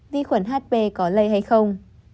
vi khuẩn hp có lây hay không